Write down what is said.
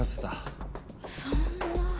そんな。